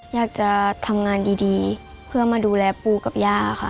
อยากจะทำงานดีเพื่อมาดูแลปูกับย่าค่ะ